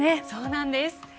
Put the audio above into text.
そうなんです。